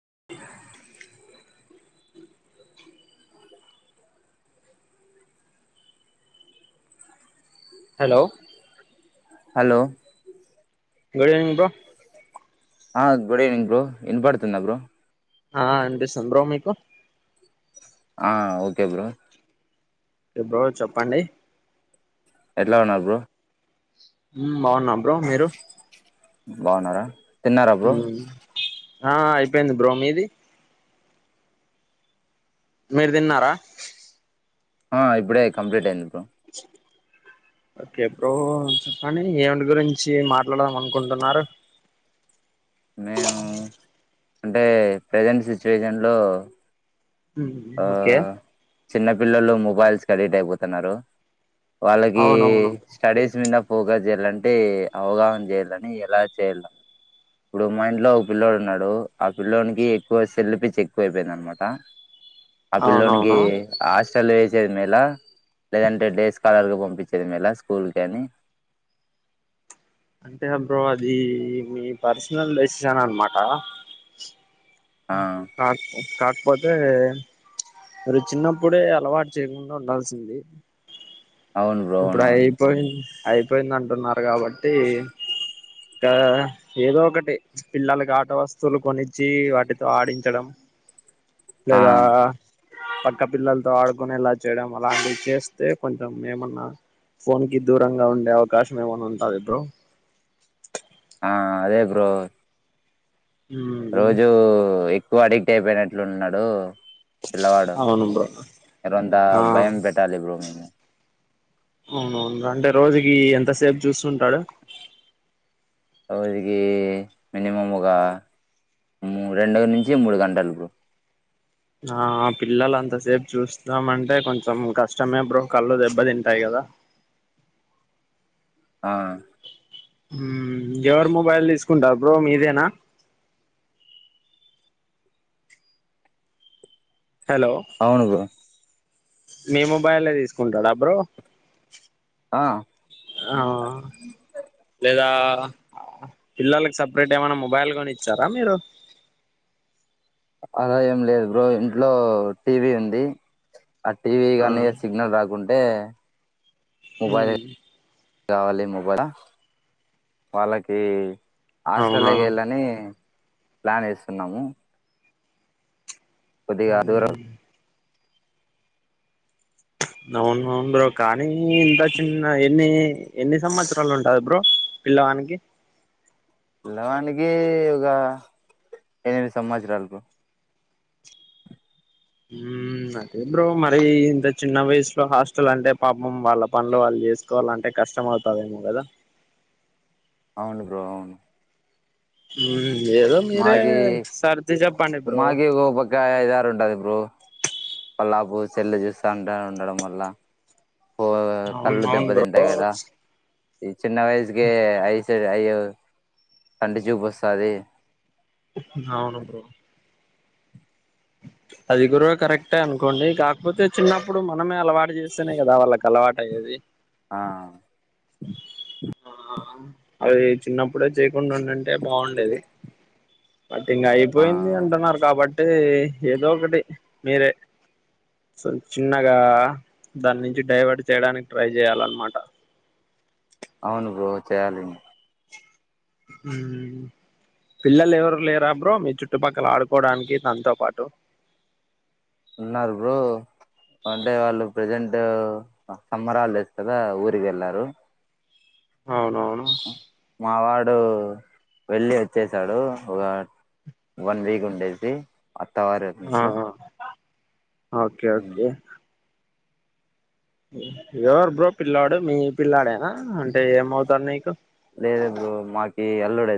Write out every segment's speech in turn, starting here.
[inaudible] Hello hello [unintelligible] bro ఆ good evening bro విన పడుతుందా బ్రో ఆ అనిపిస్తుంది బ్రో మీకు ఆ ఓకే బ్రో ఎ బ్రో చెప్పండి. ఎట్లా ఉన్నారు బ్రో. ఉం బావున్నాం బ్రో మీరు బాగున్నారా తిన్నారా బ్రో మ్మ్ ఆ అయిపోయింది బ్రో మీది మీరు తిన్నారా ఆ ఇప్పుడే కంప్లీట్ అయ్యింది బ్రో ఓకే బ్రో చెప్పండి ఏవళ్ళు గురించి మాట్లాడాలి అనుకుంటున్నారు. నేము అంటే ప్రజెంట్ సిచ్యుయేషన్ లో ఉం ఆ ఓకే చిన్న పిల్లలు మొబైల్స్ కి అడిక్ట్ అయిపోతున్నారు. వాళ్ళకి అవునవును స్టడీస్ మింద పోగా చేయాలంటే అవగాహన చేయాలని ఎలా చేయాల ఇప్పుడు మా ఇంట్లో ఒక పిల్ల్లోడు ఉన్నాడు ఆ పిల్లోనికి ఎక్కువ సెల్ పిచ్చి ఎక్కువైపోయింది అనమాట. ఆ పిల్లోనికి అవునవును హాస్టలే [unintelligible] మేలా లేదంటే డే స్కాలర్గా పంపించేది మేల స్కూల్ కి అని అంటే బ్రో అది మీ పర్సనల్ డెసిషన్ అనమాట. ఆ కార్ ఒక కార్ పోతే అది చిన్నప్పుడే అలవాటు చేయకుండా ఉండాల్సింది. అవును బ్రో ఇప్పుడు అవునవును ఐపోయింది. అయిపోయింది అంటున్నారు కాబట్టి తా ఏదో ఒకటి పిల్లలకి ఆట వస్తువులు కొనిచ్చి వాటితో ఆడించడం. ఆ లేదా పక్క పిల్లలతో ఆడుకొనేలా చేయడం అలాంటివి చేస్తే కొంచెం ఏమన్నా ఫోన్ కి దూరంగా ఉండే అవకాశం ఏమైన్నా ఉంటాంది బ్రో. ఆ అదే బ్రో మ్మ్ రోజూ ఎక్ టూ అడిక్ట్ అయిపోయినట్లు ఉన్నడు. పిల్లవాడు అవును బ్రో రొంత ఆ భయం పెట్టాలి బ్రో మేము. అవునవును అంటే రోజుకి ఎంతసేపు చూస్తుంటాడు. రోజుకి మినిమం ఒక ము రెండు నుంచి మూడు గంటలు బ్రో. ఆ పిల్లలు అంతసేపు చూస్తామంటే కొంచెం కష్టమే బ్రో కళ్ళు దెబ్బ తింటాయి కదా ఆ హ్మ్ ఎవరు మొబైల్ తీసుకుంటారు బ్రో మీదేనా హలో అవును బ్రో మీ మొబైలే తీసుకుంటాడు అబ్రో ఆ ఆ లేదా అబ్బ పిల్లలకి సపరేట్ ఏమైనా మొబైల్ కొని ఇచ్చారా మీరు అలా ఏం లేదు బ్రో ఇంట్లో టీవీ ఉంది ఆ టీవీ కానే సిగ్నల్ రాకుండా [unintelligible] పే హ్మ్ కావాలి మొబైల వాళ్ళకి అవునా హాస్టల్లకి వెళ్ళని ప్లాన్ వేస్తున్నాము ఉ కొద్దిగా దూరం అవునవును బ్రో కానీ ఇంత చిన్న ఎన్ని ఎన్ని సంవత్సరాలు ఉంటది బ్రో పిల్లవానికి పిలవానికి ఒక ఎనిమిది సంవత్సరాలు బ్రో ఉ అదే బ్రో మరి ఇంత చిన్న వయసులో హాస్టల్ అంటే పాపం వాళ్ళ పనులు వాళ్ళు చేసుకోవాలంటే కష్టం అవుతదేమో కదా అవును బ్రో అవును హ్మ్ ఏదో మీరే మాకి సర్ది చెప్పండి బ్రో మాకి ఓ పక్క ఐదారు ఉంటది బ్రో పల్లాపు సెల్ చూస్తంట ఉండడం వల్ల అవును కళ్ళు దెబ్బ అవును తంటా బ్రో కదా ఈ చిన్న వయసు కే ఐస అయ కంటిచుపస్తది అవును బ్రో అది గుడ కరెక్టే అనుకోండి కాకపోతే చిన్నప్పుడు మనమే అలవాటు చేస్తేనే కదా వాళ్ళకి అలవాటు అయ్యేది ఆ ఆ అది చిన్నప్పుడే చేయకుండా ఉండ అంటే బాగుండేది బట్టి ఇం ఆ అయిపోయింది అంటున్నారు కాబట్టి అ [unintelligible] ఏదో ఒకటి మీరే చిన్నగా దాని నుంచి డైవర్ట్ చేయడానికి ట్రై చేయాలన్నమాట అవును బ్రో చేయాలి పిల్లలు ఎవరు లేరా బ్రో మీ చుట్టుపక్కల ఆడుకోవడానికి తాంతో పాటు ఉన్నారు బ్రో అంటే వాళ్ళు ప్రెజెంట్ సమ్మర్ హాలిడేస్ వస్తు కదా ఊరికి వెళ్ళారు అవునవును అడు వెళ్ళి వచ్చేసాడు ఒక వన్ వీక్ ఉండేసి అత్తవారు ఆ ఇంట్లో ఓకే ఓకే ఎవరు బ్రో పిల్లాడు మీ పిల్లాడేనా అంటే ఏమవుతాడు నీకు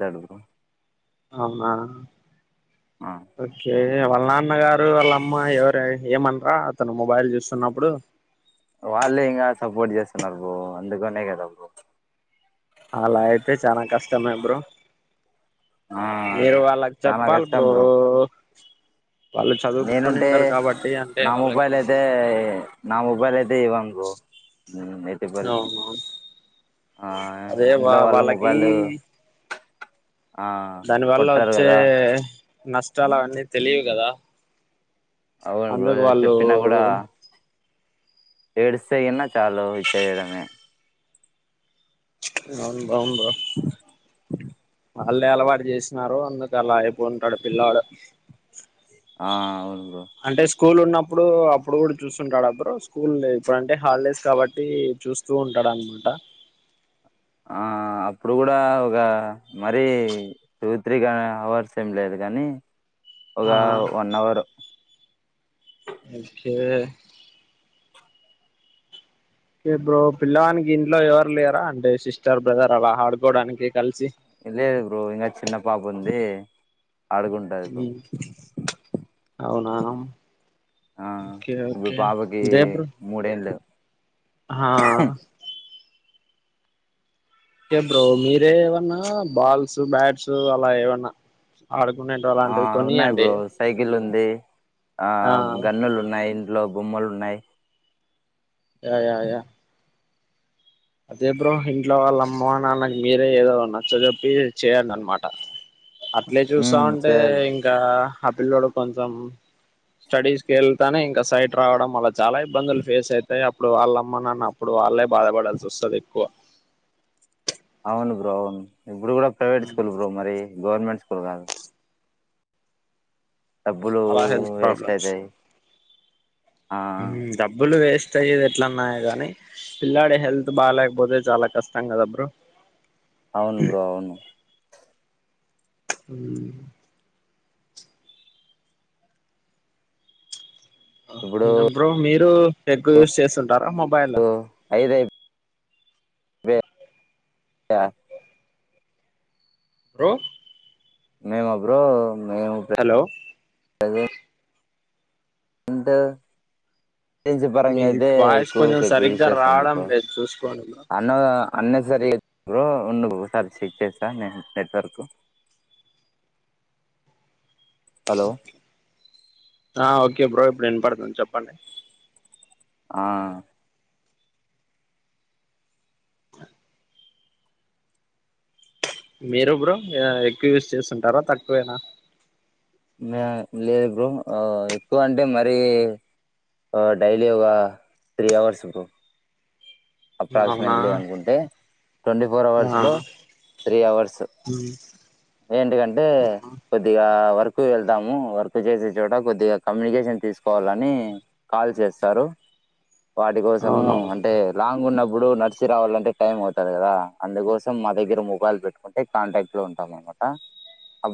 తడు అవునా ఆ ఓకే టే వాళ్ళ నాన్నగారు వాళ్ళ అమ్మ ఎవరు ఏమనరా అతను మొబైల్ చూస్తున్నప్పుడు వాళ్ళే ఇంకా సపోర్ట్ చేస్తున్నారు బ్రో అందుకనే కదా బో అలా అయితే చనా కష్టమే బ్రో ఆ మీరు వాళ్ళకి చాలా చెప్పాలి కష్టం బ్రో వాళ్ళు చదువుకొని నేనుంటే ఉండరు కాబట్టి అంటే నా మొబైల్ వాళ్ళకి అయితే నా మొబైల్ది టే ఇవ్వను బ్రో ఎట్టి పరిస్థితి అవును ఆ అదే వా ఇంట్లో వాళ్ళ వాళ్ళకి మొబైల్ ఆ దాని వల్ల కొట్టారు వచ్చే కదా నష్ ష్టాలవన్నీ తెలియవు కదా అవును బ్రో అందుకు వాళ్ళు చెప్పినా కూడా ఏడు సే ఎన్న చాలు ఇచ్చేయడమే అను అవును బ్రో వాళ్ళే అలవాటు చేసినారు అందుకు అలా యి ఉంటాడు పిల్లాడు ఆ అవును బ్రో అంటే స్కూల్ ఉన్నప్పుడు అప్పుడు కూడా చూస్తుంటాడ బ్రో స్కూల్ లే ఇప్పుడంటే హాలిడేస్ కాబట్టి చూస్తూ ఉంటాడునమాట ఆ అప్పుడు కూడా ఒక మరీ టూ త్రీ గా అవర్స్ ఏమి లేదు కానీ ఒక ఆ one hour okay okay bro పిల్లవానికి ఇంట్లో ఎవరు లేరా అంటే సిస్టర్ బ్రదర్ అలా ఆడుకోవడానికి కలిసి లేదు బ్రో ఇంగ చిన్న పాప ఉంది ఆడుకుంటాది బ్రో ఉమ్, అవునా ఆ ఓకే ఇప్పుడు ఓకే పాపకి మూడేండ్లు హా ఓకే బ్రో మీరే ఏమన్నా బాల్స్ బ్యాట్స్ అలా ఏవన్నా ఆడ్ కునేటివి అలాంటివి కొనియ్యండి ది ఆ గన్నులు నైన్ లో బొమ్మలు ఉన్నాయి యా యా యా అదే బ్రో ఇంట్లో వాళ్ళ అమ్మ నాన్నకు మీరే ఏదో నచ్చజొప్పి చేయండి. అనమాట అట్లే చూస్తా ఉమ్ ఉంటే చేయాలి ఇంకా ఆ పిల్ల్లోడు కొంచెం స్టడీస్కి వెళ్తానే, ఇంకా సైట్ రావడం వల్ల చాలా ఇబ్బందులు ఫేస్ అయితాయ్. అప్పుడు వాళ్ళ అమ్మానాన్న అప్పుడు వాళ్ళే బాధపడాల్సి వస్తాది. ఎక్కువ అవును బ్రో అవును ఇప్పుడు కూడా ప్రైవేట్ స్కూల్ బ్రో మరి గవర్నమెంట్ ఇప్పుడు కాదు డబ్బులు అలా వేస్ట్ అయితాయ్ హ్మ్ డబ్బులు వేస్ట్ ఎట్లన్నాయి. కానీ పిల్లాడి హెల్త్ బాలేకపోతే చాలా కష్టం కదా బ్రో అవును బ్రో అవును అ ఇప్పుడు [unintelligible] బ్రో మీరు ఎక్కువ యూస్ చేస్తాద్ ధర ఆ మొబైలా ఐదు అయిపోయింది. వే బ్రో మేమ బ్రో నేను ఉపేం హలో అదేద్ ఎంత ఏజెన్సీ మీ పరంగా అయితే వాయిస్ కొంచెం ఎక్కువసేపు యూస్ సరిగ్గా చేస్తాం. రావడం బ్రో లేదు చూసుకోండి బ్రో అన్న వ అన్నెసరీ బ్రో ఉండు బ్రో ఒకసారి చెక్ చేస్తాను. నేను నెట్వర్క్ హలో ఆ ఓకే బ్రో వినాపడుతుంది చెప్పండి. ఆ అ మీరు బ్రో ఎక్కువ యూస్ చేస్తుంటారా తక్కువేనా లేదు బ్రో ఎక్కువ అంటే మరీ డైలీ ఒక త్రీ అవర్స్ బ్రో అవునా అప్రాక్సిమేట్లీ అనుకుంటే ట్వంటీ ఫోర్ అవర్స్ ఆ లో త్రీ అవర్స్ ఏంటది అంటే కొద్దిగా వార్ వర్క్ వెళ్తాము. వర్క్ చేసే చోట కొద్దిగా కమ్యూనికేషన్ తీసుకోవాలని కాల్ చేస్తారు. వాటి కోసము అవునవును అంటే ఉన్నప్పుడు నడ్సి రావాలంటే టైం అవుతది. కదా అందుకోసం మా దగ్గర మొబైలు పెట్టుకుంటే కాంటాక్ట్ లో ఉంటాం. అనమాట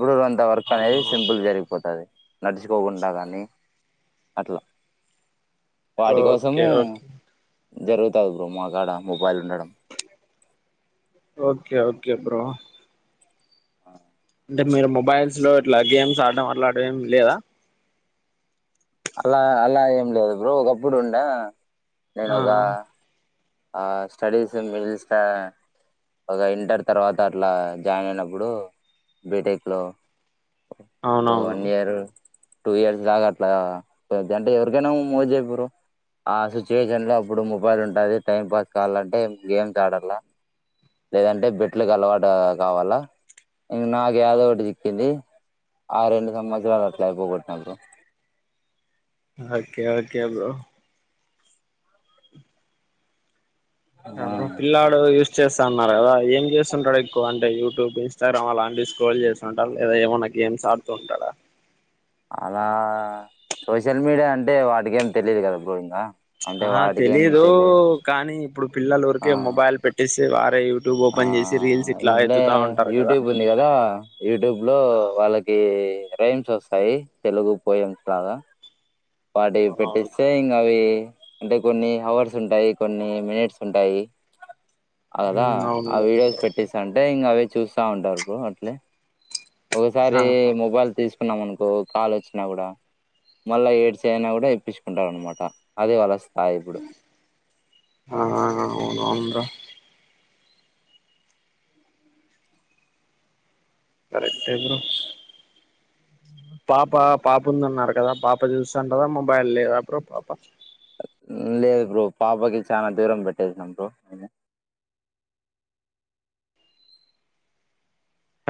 గుడురు అంత వర్క్ అనేది సింపుల్ అవునవును జరిగిపోతది. నడుచిపోకుండా కానీ అట్లా. వాటి ఓకే కోసము. ఓకే జరుగు. వస్తాడు బ్రో మగాడ. అందరూ. Okay okay bro. బ్రో ఆ అంటే మీరు మొబైల్స్ లో. అట్లా గేమ్స్ ఆడడం అట్లాటివి ఏమి లేదా. అలా అలా ఏం లేదు బ్రో. ఒకప్పుడు ఉండే, నేను ఆ ఓగా. ఆ స్టడీస్ మిడిల్. స్ట ఒక ఇంటర్ తర్వాత అట్లా. జాయిన్ అయినప్పుడు బీటెక్లో, ఓ అవునవును వన్ ఇయర్ రు. టూ ఇయర్స్ దాగా అట్లా. పెద్ద అంటే ఎవరికైనా. మో బ్రో ఆ సిచ్యువేషన్ లో అప్పుడు మొబైల్ ఉంటుంది. టైం పాస్ కావాలంటే. గేమ్స్ ఆడాలా లేదంటే. బెట్లకు అలవాటు కావాలా, ఇంక నాకు ఏదో ఒకటి చిక్కింది. ఆ రెండు సంవత్సరాలు. అట్లయిపో గొట్టిన బ్రో, ఓకే ఓకే బ్రో. ఆ బ్రో పిల్లాడు ఏ స్కూల్, చెస్ అన్నారు కదా ఏం చేస్తుంటడు. ఎక్కువ అంటే యూ. YouTube Instagram. అలాంటి స్క్రోల్ చేస్తు ఉంటారు. లేదా ఏమన్నా గేమ్స్ ఆడుతూ ఉంటాడా. అలా సోషల్ మీడియా. అంటే వాటికేం తెలియదు కదా బ్రో ఇంగా. అహ తెలియదు కానీ. ఇప్పుడు ఆ పిల్లలఊరికే మొబైల్ పెట్టేసి, సవ ఆ అంటే ఉంటారు కదా యూట్యూబ్ ఉంది. కదా యూట్యూబ్ లో వాళ్ళకి, ఎరైమ్స్ వస్తాయి. తెలుగు పోయెమ్స్ లాగా, వాటివి అవునవును పెట్టిస్తే బ్రో ఇంగా అవి. అంటే కొన్ని హావర్స్. ఉంటాయి కొన్ని మినిట్స్ ఉంటాయి, కదా ఉమ్ అవును ఆ వీడియోస్ బ్రో పెట్టేస్త అంటే ఇంకా అవి. చూస్తా ఉంటారు బ్రో అట్లే. ఆ ఒసారి మొబైల్ తీసు. తీసుకున్నావ్ అనుకో. కాల్ వచ్చినా కూడా మల్ల ఎయిడ్స్. చైనా కూడా ఇప్పించుకుంటారు. అన్నమాట అదే వాళ్ళ, స్థాయి ఇప్పుడు ఆ అవును అవును. తో కరెక్ట్ ఎ బ్రో. పాప పాప ఉందన్నారు కదా పాప చూస్తుాంటదా. మొబైల్ లేదా అ బ్రో పాప, లేదు బ్రో పాపకి చాన దూరం పెట్టేసినం బ్రో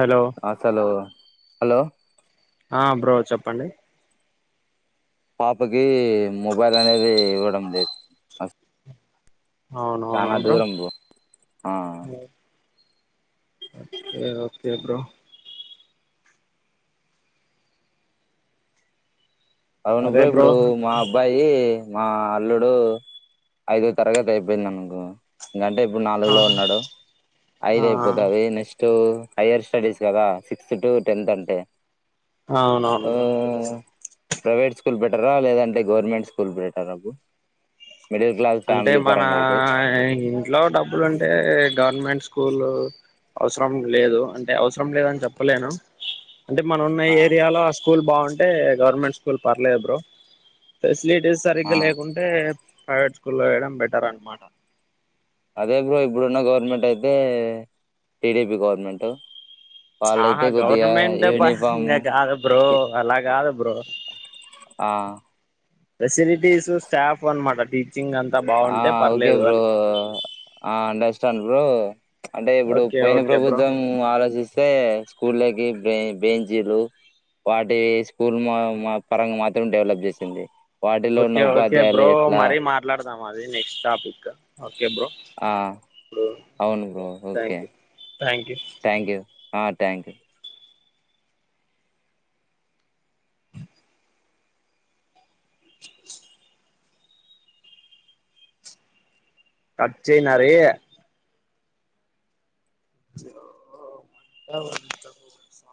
హలో అసలు హలో ఆ బ్రో చెప్పండి పాపకి మొబైల్ అనేది ఇవ్వడం లేదు అస చనా దూరం బ్రో ఆ ఓకే ఓకే బ్రో అవును బ్రో ఇప్పుడు మా అబ్బాయి మా అల్లుడు ఐదో తరగతి అయిపోయింది అనకొ ఇంగ అంటే ఇప్పుడు నాలుగు ఆ లో ఉన్నాడు ఐదు ఆ అయిపోతది నెక్స్ట్ ఇప్పుడు హైయర్ స్టడీస్ కదా సిక్స్త్ టు టెన్త్ అంటే అవును ఆ అవును ప్రైవేట్ స్కూల్ బేటరా లేదంటే గవర్నమెంట్ స్కూల్ బటర బ్రో మిడిల్ క్లాస్ అంటే ఫ్యామిలీ మన పరంగా అయితే ఇంట్లో డబ్బులు ఉంటే గవర్నమెంట్ స్కూల్ అవసరం లేదు అంటే అవసరం లేదని చెప్పలేను అంటే మన ఉన్న ఆ ఏరియాలో ఆ స్కూల్ బాగుంట అంటే గవర్నమెంట్ స్కూల్ పర్లేదు బ్రో లేడీస్ ఆ సరిగ్గా లేకుంటే అ [inaudible] స్కూల్ లో వేయడం బెటర్ అనమాట అదే బ్రో ఇప్పుడున్న గవర్నమెంట్ అయితే టీడీపీ గవర్నమెంట్ ఆ హా వాళ్ళయితే కొద్దిగా గవర్నమెంట్ యూనిఫాము పరంగా కాదు బ్రో అలా కాదు బ్రో ఆ ఫెసిలిటీసు స్టాఫ్ అన్నమాట ఆ ఓకే బ్రో ఆ అండర్స్టాండ్ బ్రో [inaudible] అంటే ఇప్పుడు ఓకే పోయిన ఓకే బ్రో ప్రభుత్వం ఆలోచిస్తే అంటే స్కూల్ లేకి బెంచీలు వాటి స్కూల్ మా మ పరంగా మాత్రం డెవలప్ చేసింది వాటిలో ఉన్న ఓకే ఓకే ఉపాధ్యాయులు బ్రో ఎట్లా మరి మాట్లాడ మాది నెస్ట్క్ టాపిక్ ఓకే బ్రో ఆ అవును bro okay thank you thank you thank you ఆ థ్యాంక్ యూ కట్ చేయనా రెయ్ [unintelligible]